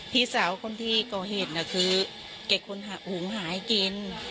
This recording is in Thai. พี่สาวคนที่เข้าเหตุนะคือแกคุณหุงหายกิน